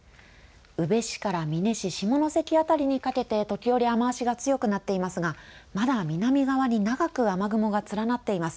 宇部市から美祢市下関辺りにかけて時折雨足が強くなっていますがまだ南側に長く雨雲が連なっています。